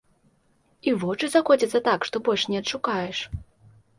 І вочы закоцяцца так, што больш не адшукаеш.